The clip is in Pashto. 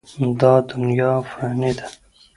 دا دنیا فاني ده.